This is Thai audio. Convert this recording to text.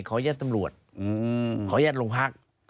ขอยาศตำรวจขอยาศหลวงพาค